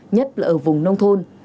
nhất là ở vùng nông thôn